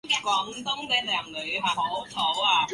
这样背景估计从视频序列的第二帧就有效了。